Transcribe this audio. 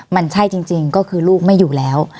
มันใช่จริงก็คือลูกไม่อยู่แล้ว